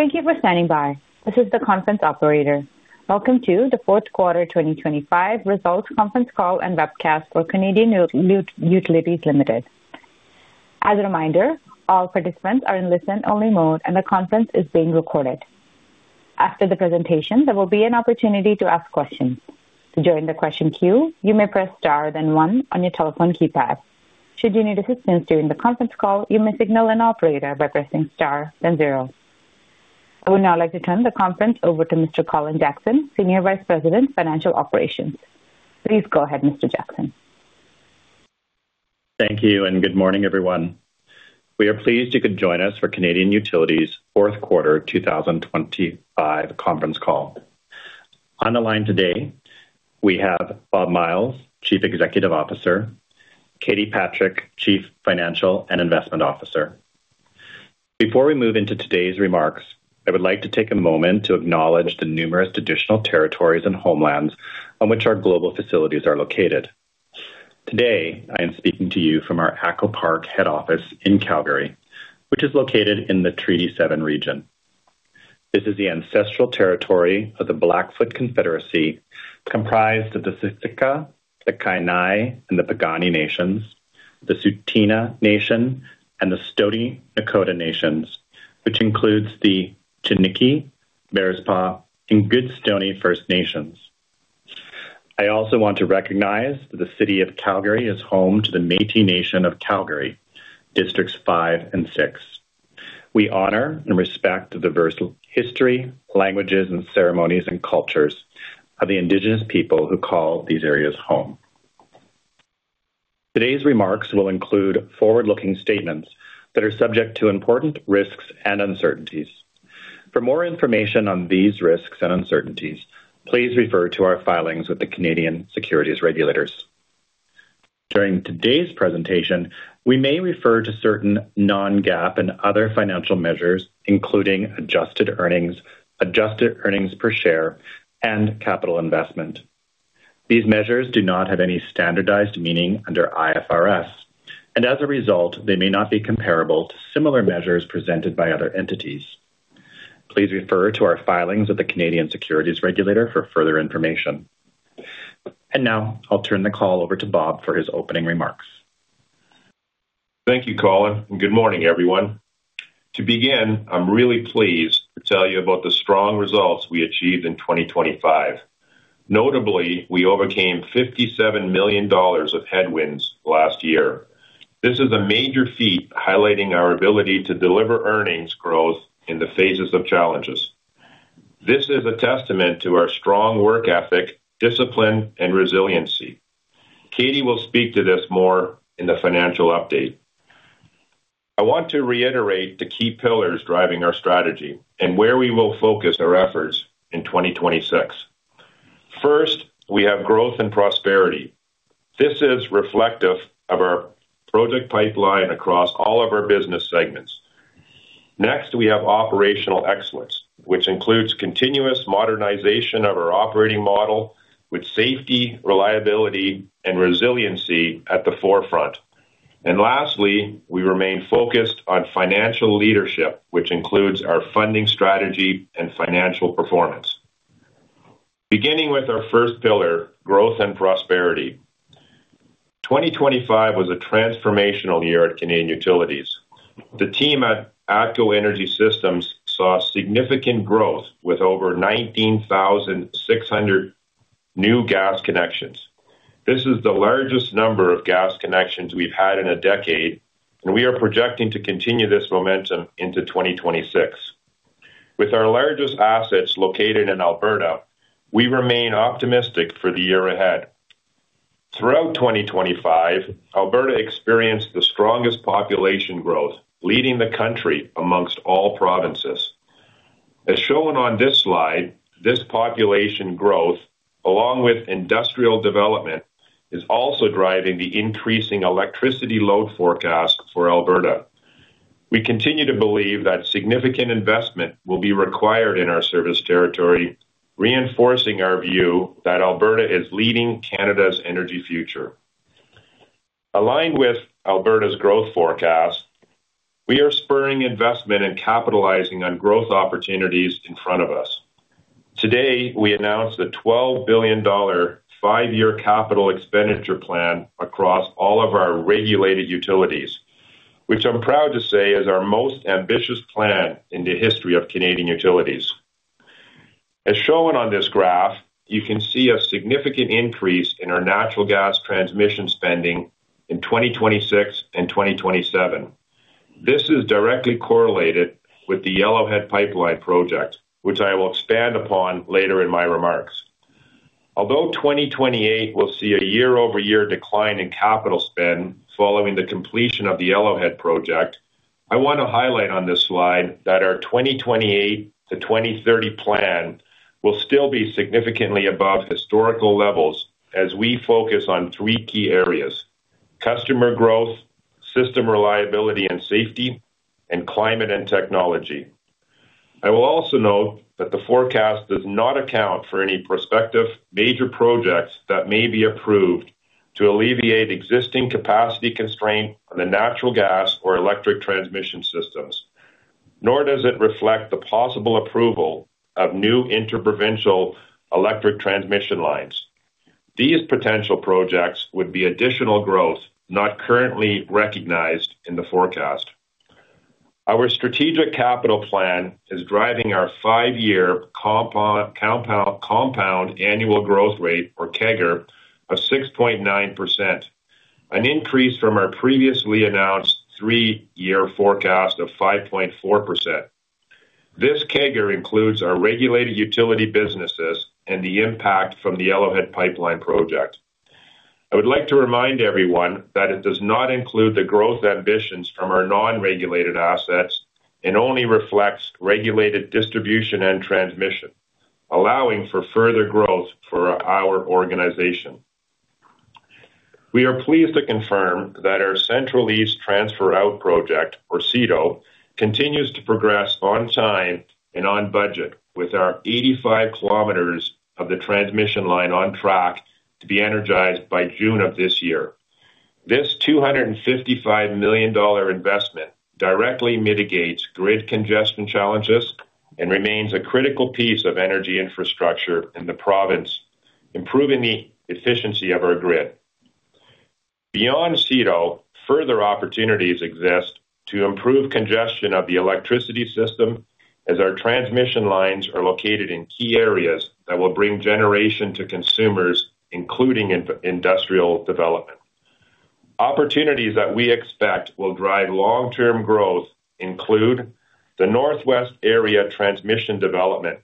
Thank you for standing by. This is the conference operator. Welcome to the fourth quarter 2025 results conference call and webcast for Canadian Utilities Limited. As a reminder, all participants are in listen-only mode, and the conference is being recorded. After the presentation, there will be an opportunity to ask questions. To join the question queue, you may press Star, then one on your telephone keypad. Should you need assistance during the conference call, you may signal an operator by pressing Star, then zero. I would now like to turn the conference over to Mr. Colin Jackson, Senior Vice President, Financial Operations. Please go ahead, Mr. Jackson. Thank you, and good morning, everyone. We are pleased you could join us for Canadian Utilities Q4 2025 conference call. On the line today, we have Bob Myles, Chief Executive Officer, Katie Patrick, Chief Financial and Investment Officer. Before we move into today's remarks, I would like to take a moment to acknowledge the numerous traditional territories and homelands on which our global facilities are located. Today, I am speaking to you from our ATCO Park head office in Calgary, which is located in the Treaty 7 region. This is the ancestral territory of the Blackfoot Confederacy, comprised of the Siksika, the Kainai, and the Piikani nations, the Tsuut'ina Nation, and the Stoney Nakoda Nations, which includes the Chiniki, Bearspaw, and Goodstoney First Nation. I also want to recognize that the City of Calgary is home to the Métis Nation of Alberta, Districts Five and Six. We honor and respect the diverse history, languages, and ceremonies and cultures of the Indigenous people who call these areas home. Today's remarks will include forward-looking statements that are subject to important risks and uncertainties. For more information on these risks and uncertainties, please refer to our filings with the Canadian Securities Regulators. During today's presentation, we may refer to certain non-GAAP and other financial measures, including adjusted earnings, adjusted earnings per share, and capital investment. These measures do not have any standardized meaning under IFRS, and as a result, they may not be comparable to similar measures presented by other entities. Please refer to our filings with the Canadian Securities Regulator for further information. Now I'll turn the call over to Bob for his opening remarks. Thank you, Colin. Good morning, everyone. To begin, I'm really pleased to tell you about the strong results we achieved in 2025. Notably, we overcame 57 million dollars of headwinds last year. This is a major feat, highlighting our ability to deliver earnings growth in the phases of challenges. This is a testament to our strong work ethic, discipline, and resiliency. Katie will speak to this more in the financial update. I want to reiterate the key pillars driving our strategy and where we will focus our efforts in 2026. First, we have growth and prosperity. This is reflective of our project pipeline across all of our business segments. Next, we have operational excellence, which includes continuous modernization of our operating model with safety, reliability, and resiliency at the forefront. Lastly, we remain focused on financial leadership, which includes our funding strategy and financial performance. Beginning with our first pillar, growth and prosperity. 2025 was a transformational year at Canadian Utilities. The team at ATCO Energy Systems saw significant growth with over 19,600 new gas connections. This is the largest number of gas connections we've had in a decade. We are projecting to continue this momentum into 2026. With our largest assets located in Alberta, we remain optimistic for the year ahead. Throughout 2025, Alberta experienced the strongest population growth, leading the country amongst all provinces. As shown on this slide, this population growth, along with industrial development, is also driving the increasing electricity load forecast for Alberta. We continue to believe that significant investment will be required in our service territory, reinforcing our view that Alberta is leading Canada's energy future. Aligned with Alberta's growth forecast, we are spurring investment and capitalizing on growth opportunities in front of us. Today, we announced a 12 billion dollar, five year capital expenditure plan across all of our regulated utilities, which I'm proud to say is our most ambitious plan in the history of Canadian Utilities. As shown on this graph, you can see a significant increase in our natural gas transmission spending in 2026 and 2027. This is directly correlated with the Yellowhead Pipeline Project, which I will expand upon later in my remarks. Although 2028 will see a year-over-year decline in capital spend following the completion of the Yellowhead Project, I want to highlight on this slide that our 2028 to 2030 plan will still be significantly above historical levels as we focus on three key areas: customer growth, system reliability and safety, and climate and technology. I will also note that the forecast does not account for any prospective major projects that may be approved to alleviate existing capacity constraint on the natural gas or electric transmission systems, nor does it reflect the possible approval of new interprovincial electric transmission lines. These potential projects would be additional growth, not currently recognized in the forecast. Our strategic capital plan is driving our five year compound annual growth rate, or CAGR, of 6.9%, an increase from our previously announced three year forecast of 5.4%. This CAGR includes our regulated utility businesses and the impact from the Yellowhead Pipeline Project. I would like to remind everyone that it does not include the growth ambitions from our non-regulated assets and only reflects regulated distribution and transmission, allowing for further growth for our organization. We are pleased to confirm that our Central East Transfer Out project, or CETO, continues to progress on time and on budget, with our 85 km of the transmission line on track to be energized by June of this year. This 255 million dollar investment directly mitigates grid congestion challenges and remains a critical piece of energy infrastructure in the province, improving the efficiency of our grid. Beyond CETO, further opportunities exist to improve congestion of the electricity system as our transmission lines are located in key areas that will bring generation to consumers, including industrial development. Opportunities that we expect will drive long-term growth include the Northwest Area Transmission Development.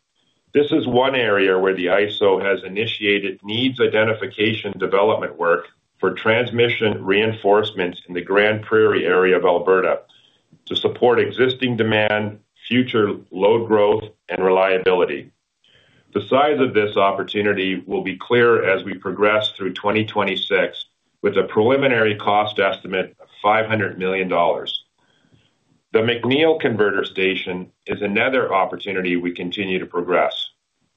This is one area where the ISO has initiated needs identification development work for transmission reinforcements in the Grande Prairie area of Alberta to support existing demand, future load growth, and reliability. The size of this opportunity will be clear as we progress through 2026, with a preliminary cost estimate of 500 million dollars. The McNeil Converter Station is another opportunity we continue to progress.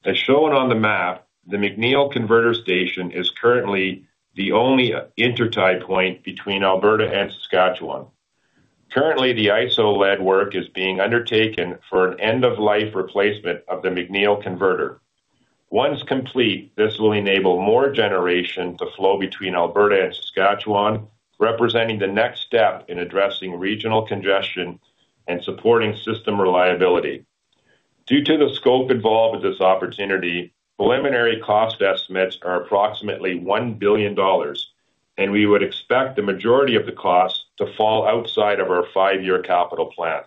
As shown on the map, the McNeil Converter Station is currently the only intertie point between Alberta and Saskatchewan. Currently, the ISO-led work is being undertaken for an end-of-life replacement of the McNeil Converter. Once complete, this will enable more generation to flow between Alberta and Saskatchewan, representing the next step in addressing regional congestion and supporting system reliability. Due to the scope involved with this opportunity, preliminary cost estimates are approximately 1 billion dollars, and we would expect the majority of the costs to fall outside of our five year capital plan.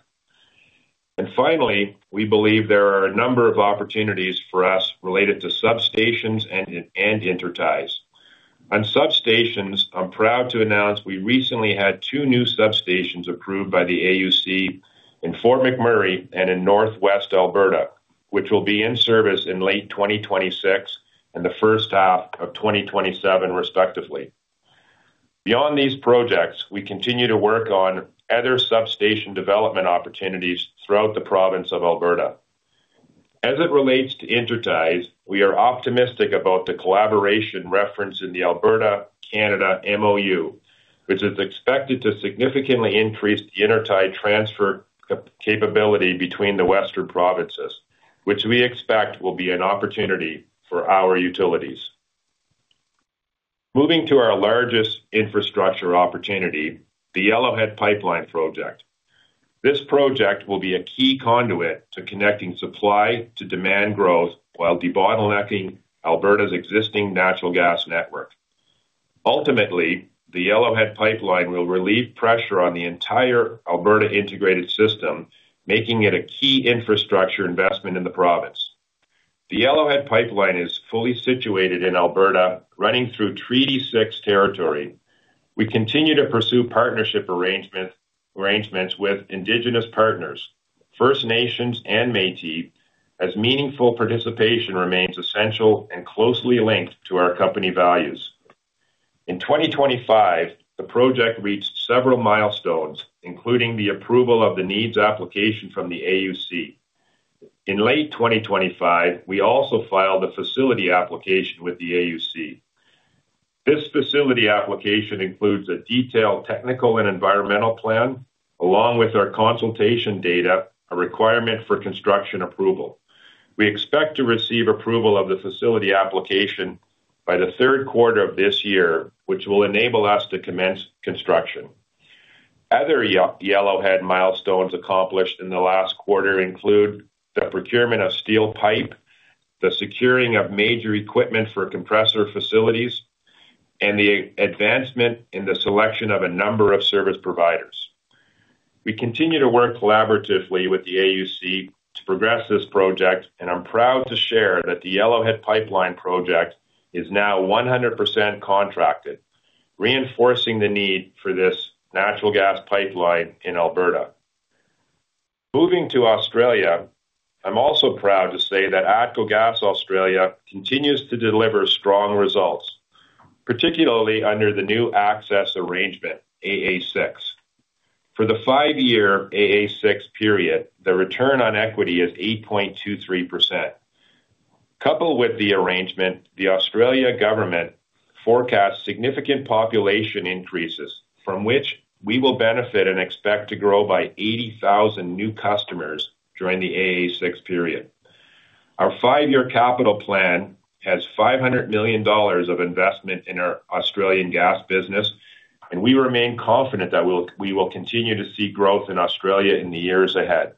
Finally, we believe there are a number of opportunities for us related to substations and interties. On substations, I'm proud to announce we recently had two new substations approved by the AUC in Fort McMurray and in Northwest Alberta, which will be in service in late 2026 and the first half of 2027, respectively. Beyond these projects, we continue to work on other substation development opportunities throughout the province of Alberta. As it relates to interties, we are optimistic about the collaboration referenced in the Alberta, Canada MOU, which is expected to significantly increase the intertie transfer capability between the western provinces, which we expect will be an opportunity for our utilities. Moving to our largest infrastructure opportunity, the Yellowhead Pipeline Project. This project will be a key conduit to connecting supply to demand growth while debottlenecking Alberta's existing natural gas network. Ultimately, the Yellowhead Pipeline will relieve pressure on the entire Alberta integrated system, making it a key infrastructure investment in the province. The Yellowhead Pipeline is fully situated in Alberta, running through Treaty 6 territory. We continue to pursue partnership arrangements with indigenous partners, First Nations, and Métis, as meaningful participation remains essential and closely linked to our company values. In 2025, the project reached several milestones, including the approval of the needs application from the AUC. In late 2025, we also filed a facility application with the AUC. This facility application includes a detailed technical and environmental plan, along with our consultation data, a requirement for construction approval. We expect to receive approval of the facility application by the Q3 of this year, which will enable us to commence construction. Other Yellowhead milestones accomplished in the last quarter include the procurement of steel pipe, the securing of major equipment for compressor facilities, and the advancement in the selection of a number of service providers. We continue to work collaboratively with the AUC to progress this project. I'm proud to share that the Yellowhead Pipeline Project is now 100% contracted, reinforcing the need for this natural gas pipeline in Alberta. Moving to Australia, I'm also proud to say that ATCO Gas Australia continues to deliver strong results, particularly under the new access arrangement, AA6. For the five year AA6 period, the return on equity is 8.23%. Coupled with the arrangement, the Australia government forecasts significant population increases from which we will benefit and expect to grow by 80,000 new customers during the AA6 period. Our five year capital plan has $500 million of investment in our Australian gas business, and we will continue to see growth in Australia in the years ahead.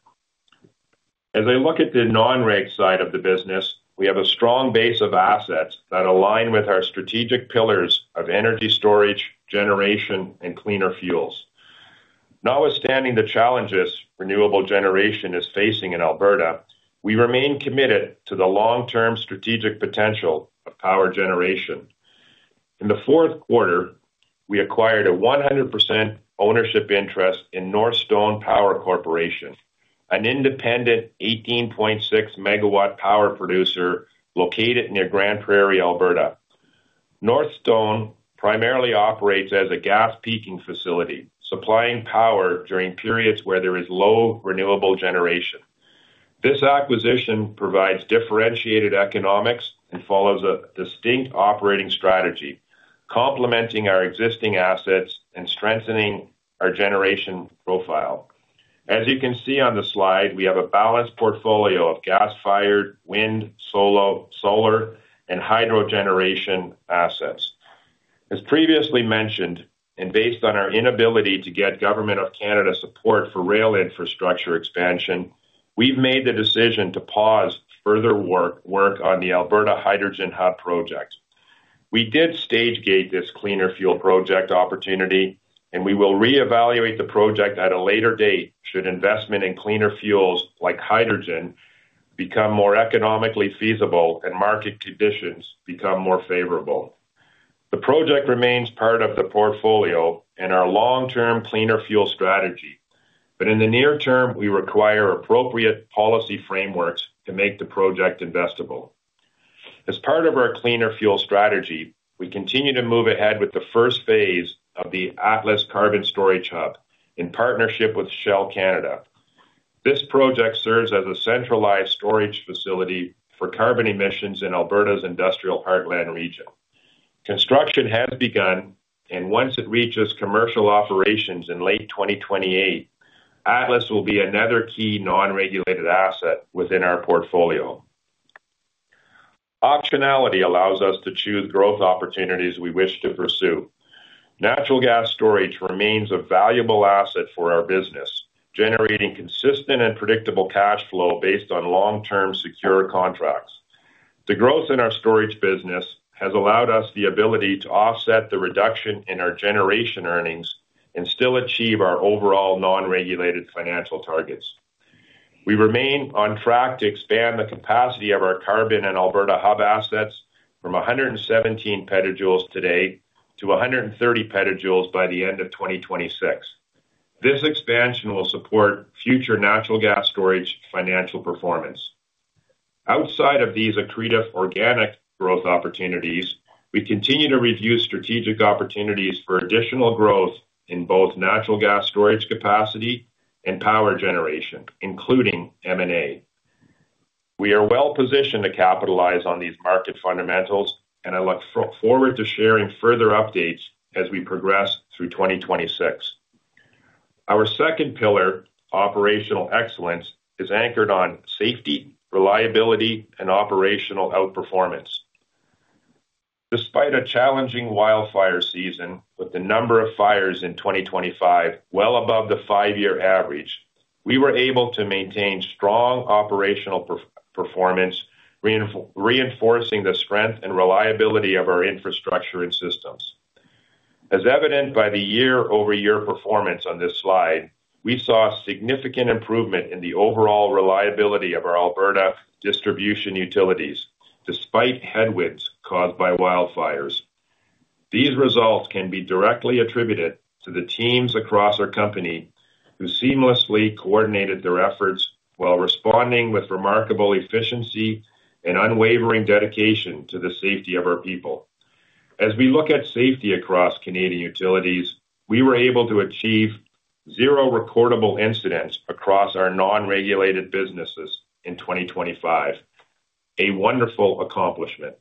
As I look at the non-reg side of the business, we have a strong base of assets that align with our strategic pillars of energy storage, generation, and cleaner fuels. Notwithstanding the challenges renewable generation is facing in Alberta, we remain committed to the long-term strategic potential of power generation. In the Q4, we acquired a 100% ownership interest in Northstone Power Corporation, an independent 18.6 megawatt power producer located near Grande Prairie, Alberta. Northstone primarily operates as a gas peaking facility, supplying power during periods where there is low renewable generation. This acquisition provides differentiated economics and follows a distinct operating strategy, complementing our existing assets and strengthening our generation profile. As you can see on the slide, we have a balanced portfolio of gas-fired, wind, solar, and hydro generation assets. As previously mentioned, and based on our inability to get Government of Canada support for rail infrastructure expansion, we've made the decision to pause further work on the Alberta Hydrogen Hub project. We did stage-gate this cleaner fuel project opportunity, and we will reevaluate the project at a later date, should investment in cleaner fuels like hydrogen, become more economically feasible and market conditions become more favorable. The project remains part of the portfolio and our long-term cleaner fuel strategy, but in the near term, we require appropriate policy frameworks to make the project investable. As part of our cleaner fuel strategy, we continue to move ahead with the first phase of the Atlas Carbon Storage Hub in partnership with Shell Canada. This project serves as a centralized storage facility for carbon emissions in Alberta's industrial heartland region. Construction has begun, and once it reaches commercial operations in late 2028, Atlas will be another key non-regulated asset within our portfolio. Optionality allows us to choose growth opportunities we wish to pursue. Natural gas storage remains a valuable asset for our business, generating consistent and predictable cash flow based on long-term secure contracts. The growth in our storage business has allowed us the ability to offset the reduction in our generation earnings and still achieve our overall non-regulated financial targets. We remain on track to expand the capacity of our Carbon and A-Hub assets from 117 PJ today to 130 PJ by the end of 2026. This expansion will support future natural gas storage financial performance. Outside of these accretive organic growth opportunities, we continue to review strategic opportunities for additional growth in both natural gas storage capacity and power generation, including M&A. We are well-positioned to capitalize on these market fundamentals. I look forward to sharing further updates as we progress through 2026. Our second pillar, operational excellence, is anchored on safety, reliability, and operational outperformance. Despite a challenging wildfire season with the number of fires in 2025, well above the five year average, we were able to maintain strong operational performance, reinforcing the strength and reliability of our infrastructure and systems. As evident by the year-over-year performance on this slide, we saw a significant improvement in the overall reliability of our Alberta distribution utilities, despite headwinds caused by wildfires. These results can be directly attributed to the teams across our company, who seamlessly coordinated their efforts while responding with remarkable efficiency and unwavering dedication to the safety of our people. As we look at safety across Canadian Utilities, we were able to achieve zero recordable incidents across our non-regulated businesses in 2025, a wonderful accomplishment.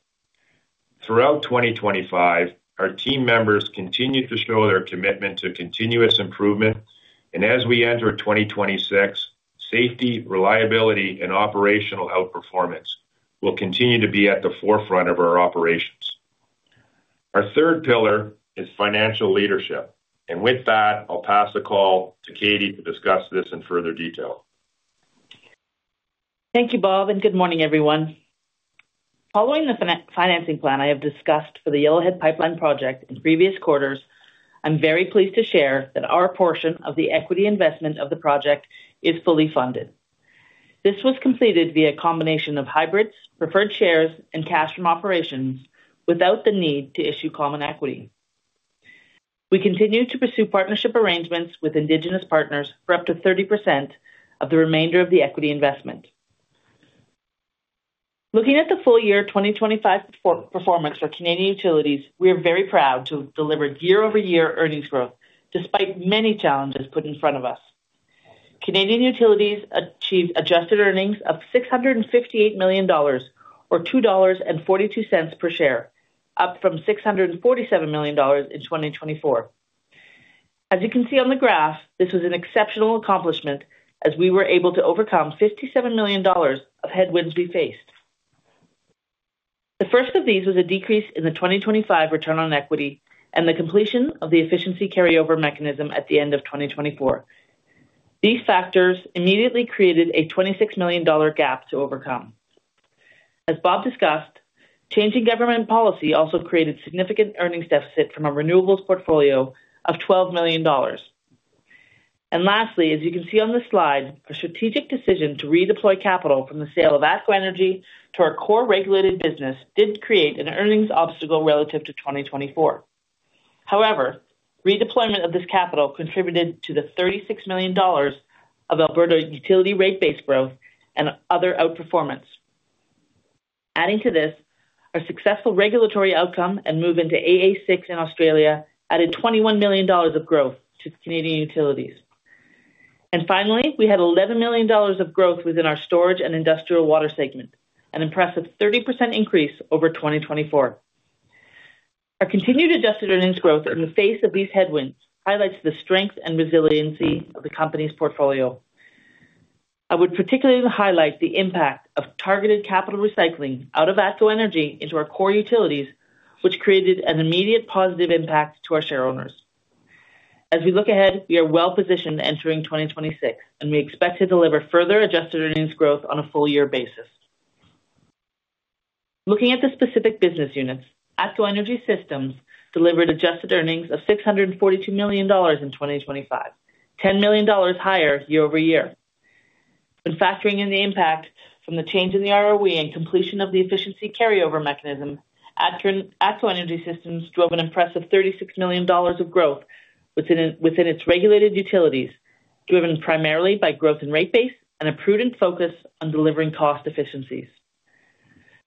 Throughout 2025, our team members continued to show their commitment to continuous improvement. As we enter 2026, safety, reliability, and operational outperformance will continue to be at the forefront of our operations. Our third pillar is financial leadership. With that, I'll pass the call to Katie to discuss this in further detail. Thank you, Bob, and good morning, everyone. Following the financing plan I have discussed for the Yellowhead Pipeline Project in previous quarters, I'm very pleased to share that our portion of the equity investment of the project is fully funded. This was completed via a combination of hybrids, preferred shares, and cash from operations, without the need to issue common equity. We continue to pursue partnership arrangements with indigenous partners for up to 30% of the remainder of the equity investment. Looking at the full year 2025 performance for Canadian Utilities, we are very proud to have delivered year-over-year earnings growth despite many challenges put in front of us. Canadian Utilities achieved adjusted earnings of $658 million, or $2.42 per share, up from $647 million in 2024. As you can see on the graph, this was an exceptional accomplishment as we were able to overcome 57 million dollars of headwinds we faced. The first of these was a decrease in the 2025 return on equity and the completion of the efficiency carryover mechanism at the end of 2024. These factors immediately created a 26 million dollar gap to overcome. As Bob discussed, changing government policy also created significant earnings deficit from a renewables portfolio of 12 million dollars. Lastly, as you can see on the slide, a strategic decision to redeploy capital from the sale of ATCO Energy to our core regulated business did create an earnings obstacle relative to 2024. However, redeployment of this capital contributed to the 36 million dollars of Alberta utility rate base growth and other outperformance. Our successful regulatory outcome and move into AA6 in Australia added 21 million dollars of growth to Canadian Utilities. Finally, we had 11 million dollars of growth within our storage and industrial water segment, an impressive 30% increase over 2024. Our continued adjusted earnings growth in the face of these headwinds highlights the strength and resiliency of the company's portfolio. I would particularly highlight the impact of targeted capital recycling out of ATCO Energy into our core utilities, which created an immediate positive impact to our shareowners. As we look ahead, we are well-positioned entering 2026, and we expect to deliver further adjusted earnings growth on a full year basis. Looking at the specific business units, ATCO Energy Systems delivered adjusted earnings of 642 million dollars in 2025, 10 million dollars higher year-over-year. When factoring in the impact from the change in the ROE and completion of the efficiency carryover mechanism, ATCO Energy Systems drove an impressive $36 million of growth within its regulated utilities, driven primarily by growth in rate base and a prudent focus on delivering cost efficiencies.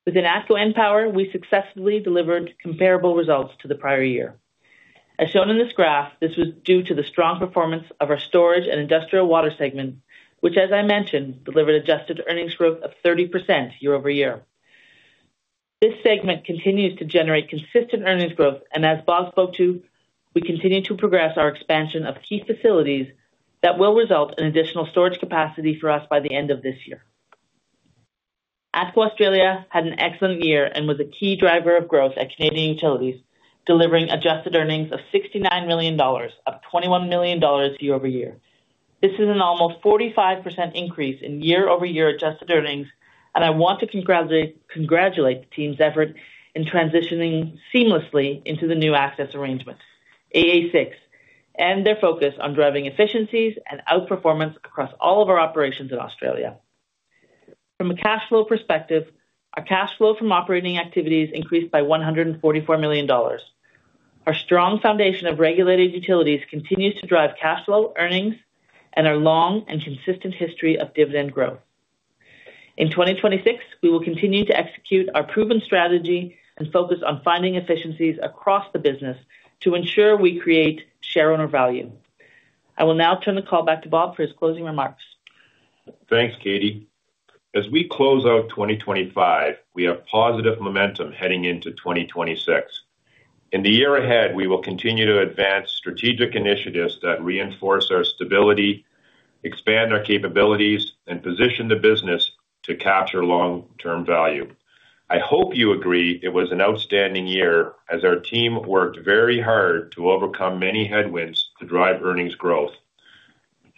Within ATCO EnPower, we successfully delivered comparable results to the prior year. As shown in this graph, this was due to the strong performance of our storage and industrial water segment, which, as I mentioned, delivered adjusted earnings growth of 30% year-over-year. This segment continues to generate consistent earnings growth, and as Bob spoke to, we continue to progress our expansion of key facilities that will result in additional storage capacity for us by the end of this year. ATCO Australia had an excellent year and was a key driver of growth at Canadian Utilities, delivering adjusted earnings of 69 million dollars, up 21 million dollars year-over-year. This is an almost 45% increase in year-over-year adjusted earnings. I want to congratulate the team's effort in transitioning seamlessly into the new access arrangement, AA6, and their focus on driving efficiencies and outperformance across all of our operations in Australia. From a cash flow perspective, our cash flow from operating activities increased by 144 million dollars. Our strong foundation of regulated utilities continues to drive cash flow, earnings, and our long and consistent history of dividend growth. In 2026, we will continue to execute our proven strategy and focus on finding efficiencies across the business to ensure we create shareowner value. I will now turn the call back to Bob for his closing remarks. Thanks, Katie. As we close out 2025, we have positive momentum heading into 2026. In the year ahead, we will continue to advance strategic initiatives that reinforce our stability, expand our capabilities, and position the business to capture long-term value. I hope you agree it was an outstanding year as our team worked very hard to overcome many headwinds to drive earnings growth.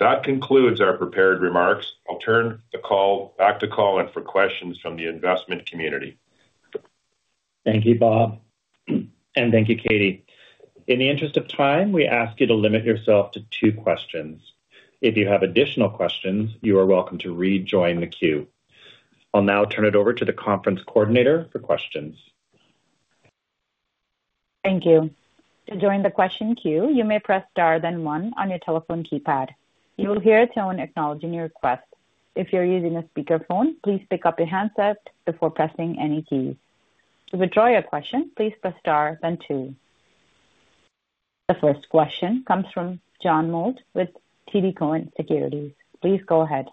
That concludes our prepared remarks. I'll turn the call back to Colin for questions from the investment community. Thank you, Bob, and thank you, Katie. In the interest of time, we ask you to limit yourself to two questions. If you have additional questions, you are welcome to rejoin the queue. I'll now turn it over to the conference coordinator for questions. Thank you. To join the question queue, you may press Star, then one on your telephone keypad. You will hear a tone acknowledging your request. If you're using a speakerphone, please pick up your handset before pressing any keys. To withdraw your question, please press Star, then two. The first question comes from John Mould with TD Securities. Please go ahead.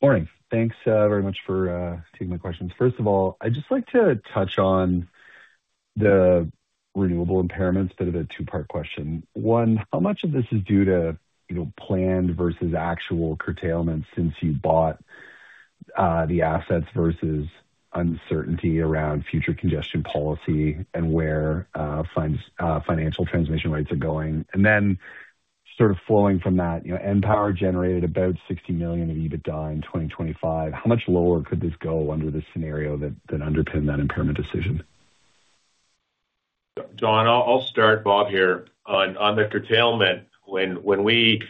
Morning. Thanks very much for taking my questions. First of all, I'd just like to touch on the renewable impairments, but it a two-part question. One, how much of this is due to, you know, planned versus actual curtailment since you bought the assets, versus uncertainty around future congestion policy and where financial transmission rights are going? Sort of flowing from that, you know, N Power generated about 60 million in EBITDA in 2025. How much lower could this go under the scenario that underpinned that impairment decision? John, I'll start Bob here. On the curtailment, when we,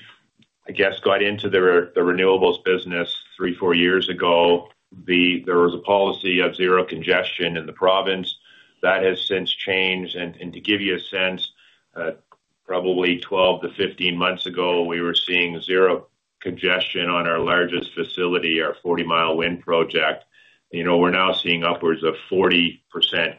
I guess, got into the renewables business three, four years ago, there was a policy of zero congestion in the province. That has since changed. To give you a sense, probably 12 to 15 months ago, we were seeing zero congestion on our largest facility, our Forty Mile Wind project. You know, we're now seeing upwards of 40%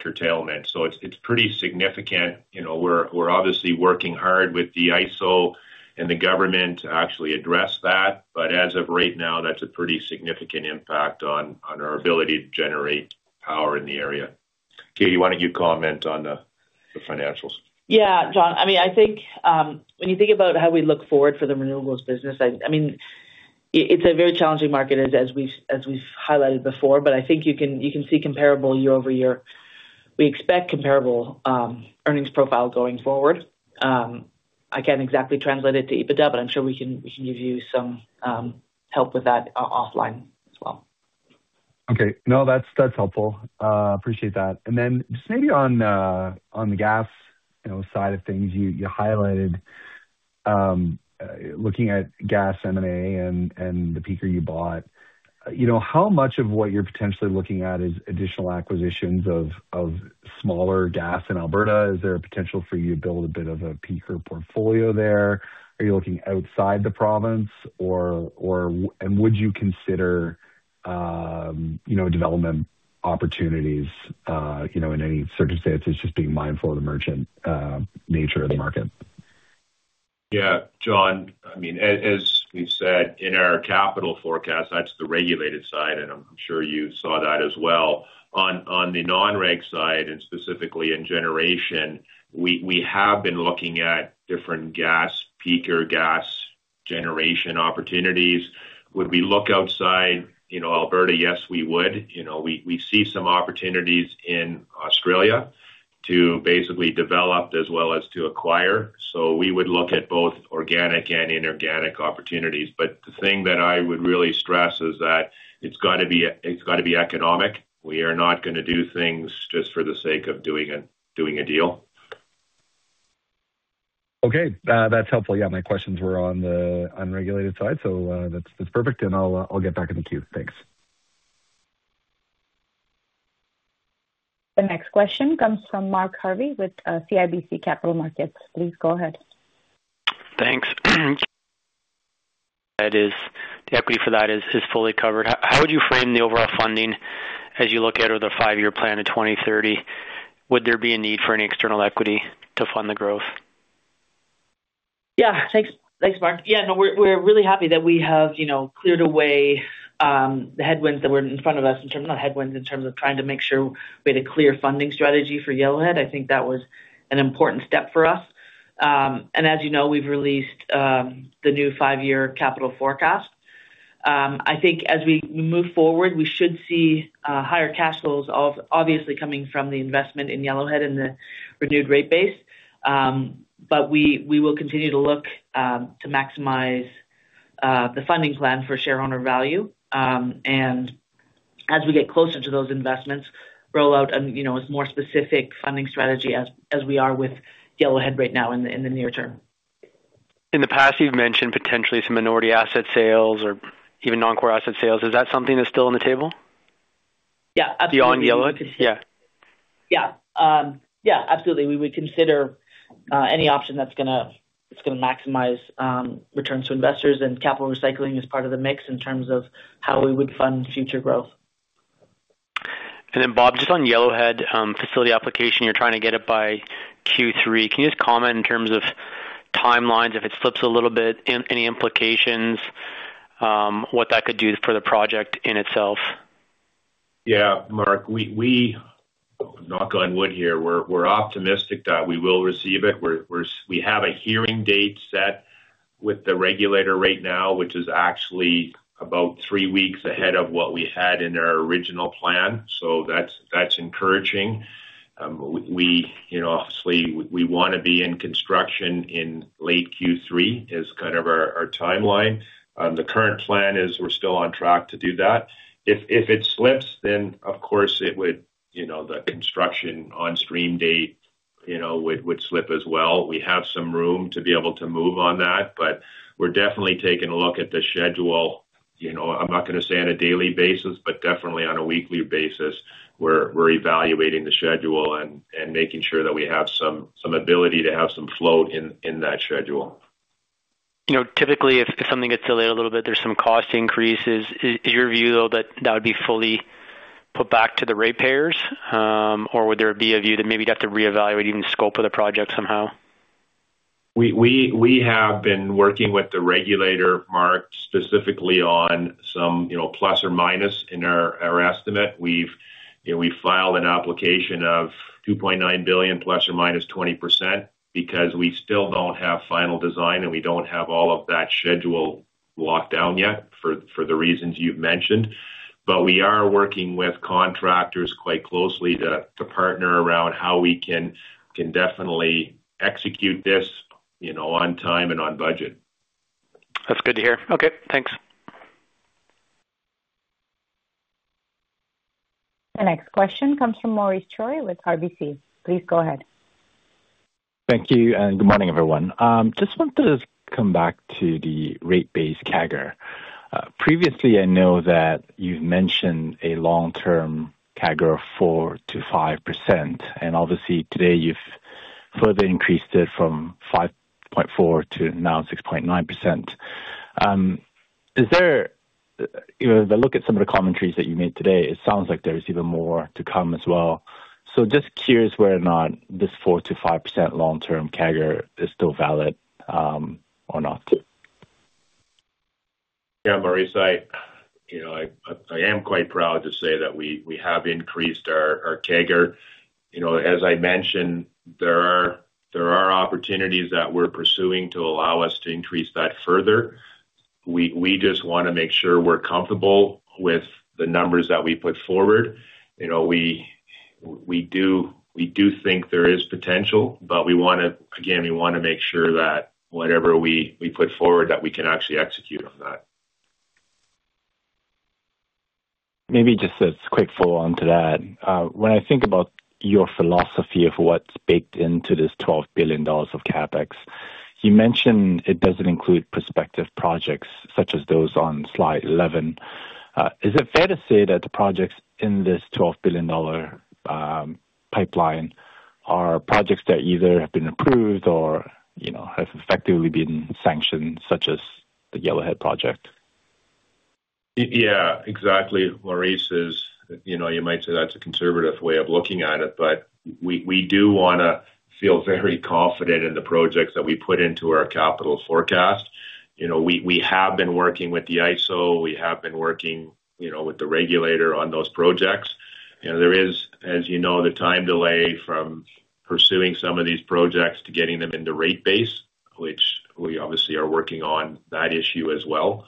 curtailment, so it's pretty significant. You know, we're obviously working hard with the ISO and the government to actually address that. As of right now, that's a pretty significant impact on our ability to generate power in the area. Katie, why don't you comment on the financials? Yeah, John. I mean, I think when you think about how we look forward for the renewables business, I mean, it's a very challenging market as we've highlighted before. I think you can see comparable year-over-year. We expect comparable earnings profile going forward. I can't exactly translate it to EBITDA, I'm sure we can give you some help with that offline as well. Okay. No, that's helpful. Appreciate that. Just maybe on the gas, you know, side of things, you highlighted, looking at gas M&A and the peaker you bought. You know, how much of what you're potentially looking at is additional acquisitions of smaller gas in Alberta? Is there a potential for you to build a bit of a peaker portfolio there? Are you looking outside the province? Would you consider, you know, development opportunities, you know, in any circumstance, it's just being mindful of the merchant, nature of the market? Yeah, John, I mean, as we've said in our capital forecast, that's the regulated side, and I'm sure you saw that as well. On the non-reg side, and specifically in generation, we have been looking at different gas peaker, gas generation opportunities. Would we look outside, you know, Alberta? Yes, we would. You know, we see some opportunities in Australia to basically develop as well as to acquire. We would look at both organic and inorganic opportunities. The thing that I would really stress is that it's got to be, it's got to be economic. We are not gonna do things just for the sake of doing a deal. Okay, that's helpful. Yeah, my questions were on the unregulated side, so, that's perfect, and I'll get back in the queue. Thanks. The next question comes from Mark Jarvi with CIBC Capital Markets. Please go ahead. Thanks. That is, the equity for that is fully covered. How would you frame the overall funding as you look at, or the five year plan to 2030? Would there be a need for any external equity to fund the growth? Thanks. Thanks, Mark. No, we're really happy that we have, you know, cleared away the headwinds that were in front of us. Not headwinds, in terms of trying to make sure we had a clear funding strategy for Yellowhead. I think that was an important step for us. As you know, we've released the new five year capital forecast. I think as we move forward, we should see higher cash flows obviously coming from the investment in Yellowhead and the renewed rate base. We will continue to look to maximize the funding plan for shareowner value. As we get closer to those investments, roll out, you know, a more specific funding strategy as we are with Yellowhead right now in the near term. In the past, you've mentioned potentially some minority asset sales or even non-core asset sales. Is that something that's still on the table? Yeah, absolutely. Beyond Yellowhead. Yeah. Yeah. Yeah, absolutely. We would consider any option that's gonna maximize returns to investors, and capital recycling is part of the mix in terms of how we would fund future growth. Bob, just on Yellowhead, facility application, you're trying to get it by Q3? Can you just comment in terms of timelines, if it slips a little bit, any implications, what that could do for the project in itself? Mark, we knock on wood here, we're optimistic that we will receive it. We have a hearing date set with the regulator right now, which is actually about three weeks ahead of what we had in our original plan, so that's encouraging. We, you know, obviously, we want to be in construction in late Q3, is kind of our timeline. The current plan is we're still on track to do that. If, if it slips, then of course it would, you know, the construction on-stream date, you know, would slip as well. We have some room to be able to move on that, but we're definitely taking a look at the schedule, you know, I'm not gonna say on a daily basis, but definitely on a weekly basis, we're evaluating the schedule and making sure that we have some ability to have some float in that schedule. You know, typically, if something gets delayed a little bit, there's some cost increases. Is your view, though, that would be fully put back to the ratepayers, or would there be a view that maybe you'd have to reevaluate even the scope of the project somehow? We have been working with the regulator, Mark, specifically on some, you know, plus or minus in our estimate. We've, you know, we filed an application of 2.9 billion ±20% because we still don't have final design, and we don't have all of that schedule locked down yet, for the reasons you've mentioned. We are working with contractors quite closely to partner around how we can definitely execute this, you know, on time and on budget. That's good to hear. Okay, thanks. The next question comes from Maurice Choy with RBC. Please go ahead. Thank you, good morning, everyone. Just want to come back to the rate base CAGR. Previously, I know that you've mentioned a long-term CAGR of 4% to 5%, obviously today you've further increased it from 5.4% to now 6.9%. Is there, you know, if I look at some of the commentaries that you made today, it sounds like there's even more to come as well. Just curious whether or not this 4% to 5% long-term CAGR is still valid or not? Yeah, Maurice, I, you know, I am quite proud to say that we have increased our CAGR. You know, as I mentioned, there are opportunities that we're pursuing to allow us to increase that further. We just wanna make sure we're comfortable with the numbers that we put forward. You know, we do think there is potential. Again, we wanna make sure that whatever we put forward, that we can actually execute on that. Maybe just a quick follow-on to that. When I think about your philosophy of what's baked into this 12 billion dollars of CapEx, you mentioned it doesn't include prospective projects such as those on slide 11. Is it fair to say that the projects in this 12 billion dollar pipeline are projects that either have been approved or, you know, have effectively been sanctioned, such as the Yellowhead Project? Yeah, exactly, Maurice, is, you know, you might say that's a conservative way of looking at it, but we do wanna feel very confident in the projects that we put into our capital forecast. You know, we have been working with the ISO, we have been working, you know, with the regulator on those projects. You know, there is, as you know, the time delay from pursuing some of these projects to getting them into rate base, which we obviously are working on that issue as well.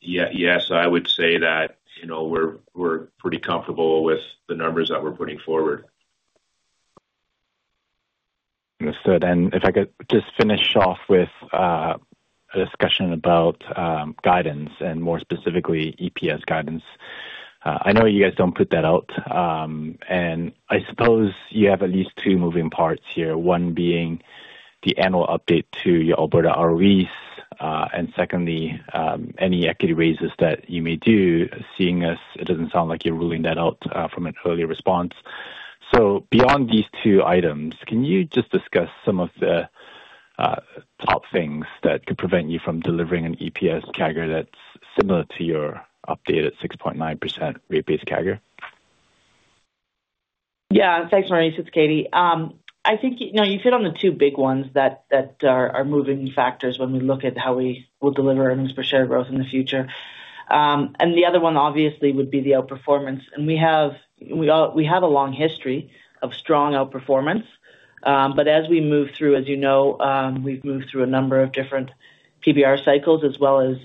Yes, I would say that, you know, we're pretty comfortable with the numbers that we're putting forward. Understood. If I could just finish off with a discussion about guidance and more specifically, EPS guidance. I know you guys don't put that out, and I suppose you have at least two moving parts here, one being the annual update to your Alberta ROEs, and secondly, any equity raises that you may do, seeing as it doesn't sound like you're ruling that out from an early response. Beyond these two items, can you just discuss some of the top things that could prevent you from delivering an EPS CAGR that's similar to your updated 6.9% rate base CAGR? Yeah. Thanks, Maurice. It's Katie. I think, you know, you hit on the two big ones that are moving factors when we look at how we will deliver earnings per share growth in the future. The other one, obviously, would be the outperformance. We have a long history of strong outperformance. As we move through, as you know, we've moved through a number of different PBR cycles, as well as,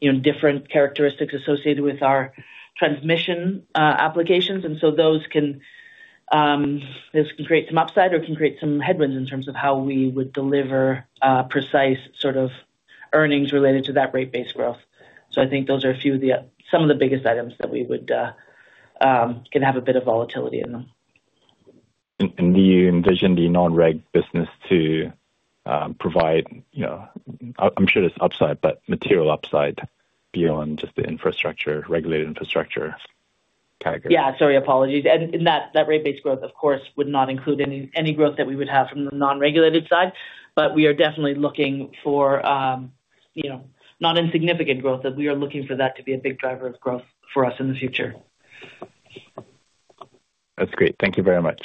you know, different characteristics associated with our transmission applications. Those can, this can create some upside or can create some headwinds in terms of how we would deliver precise sort of earnings related to that rate base growth. I think those are some of the biggest items that we would can have a bit of volatility in them. Do you envision the non-reg business to provide, you know, I'm sure there's upside, but material upside beyond just the infrastructure, regulated infrastructure CAGR? Yeah, sorry, apologies. That rate base growth, of course, would not include any growth that we would have from the non-regulated side. We are definitely looking for, you know, not insignificant growth, that we are looking for that to be a big driver of growth for us in the future. That's great. Thank you very much.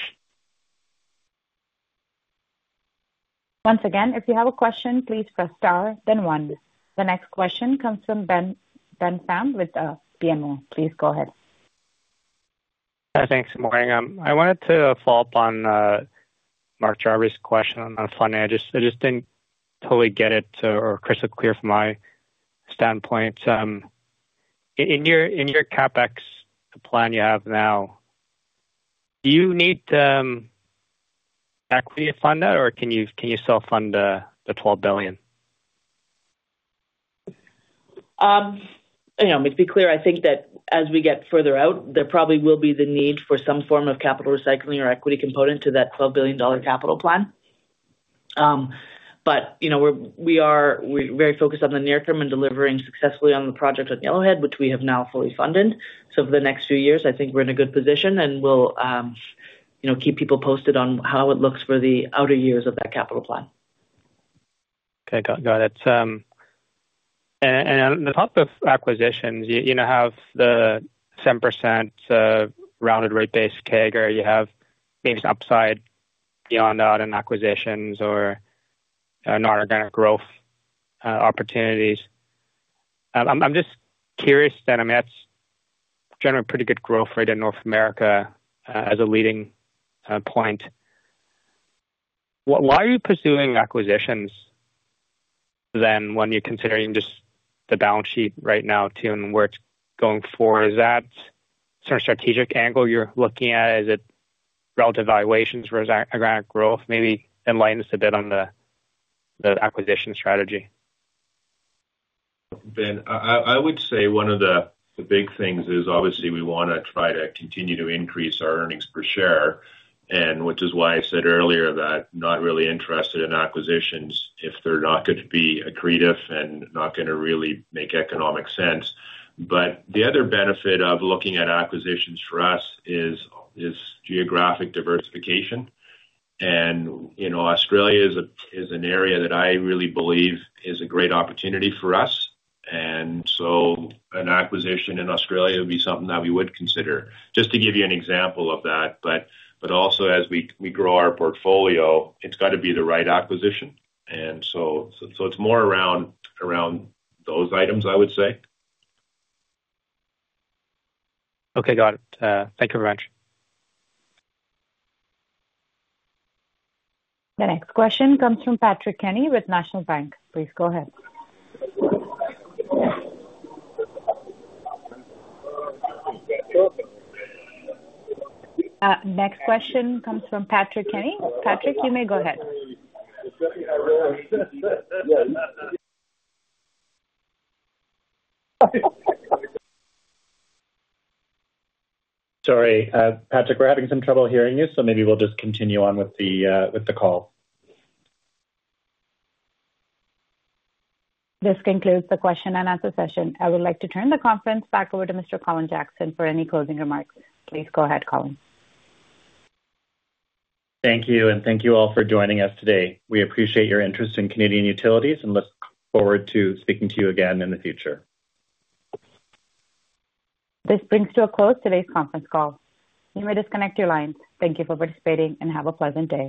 Once again, if you have a question, please press Star, then one. The next question comes from Ben Pham with BMO. Please go ahead. Thanks, good morning. I wanted to follow up on Mark Jarvi's question on funding. I just didn't totally get it or crystal clear from my standpoint. In your CapEx plan you have now, do you need equity to fund that, or can you self-fund the 12 billion? You know, to be clear, I think that as we get further out, there probably will be the need for some form of capital recycling or equity component to that 12 billion dollar capital plan. You know, we're very focused on the near term and delivering successfully on the project at Yellowhead, which we have now fully funded. For the next few years, I think we're in a good position, and we'll, you know, keep people posted on how it looks for the outer years of that capital plan. Okay, got it. On the top of acquisitions, you now have the 10%, rounded rate base CAGR. You have maybe upside beyond that in acquisitions or, non-organic growth, opportunities. I'm just curious then, I mean, that's generally a pretty good growth rate in North America, as a leading, point. Why are you pursuing acquisitions then, when you're considering just the balance sheet right now, too, and where it's going forward? Is that some strategic angle you're looking at? Is it relative valuations for organic growth? Maybe enlighten us a bit on the acquisition strategy. Ben, I would say one of the big things is obviously we wanna try to continue to increase our earnings per share, which is why I said earlier that not really interested in acquisitions if they're not going to be accretive and not gonna really make economic sense. The other benefit of looking at acquisitions for us is geographic diversification. You know, Australia is an area that I really believe is a great opportunity for us. An acquisition in Australia would be something that we would consider, just to give you an example of that. Also as we grow our portfolio, it's got to be the right acquisition. It's more around those items, I would say. Okay, got it. Thank you very much. The next question comes from Patrick Kenny with National Bank. Please go ahead. Patrick, you may go ahead. Sorry, Patrick, we're having some trouble hearing you. Maybe we'll just continue on with the, with the call. This concludes the question and answer session. I would like to turn the conference back over to Mr. Colin Jackson for any closing remarks. Please go ahead, Colin. Thank you, and thank you all for joining us today. We appreciate your interest in Canadian Utilities, and look forward to speaking to you again in the future. This brings to a close today's conference call. You may disconnect your lines. Thank you for participating, and have a pleasant day.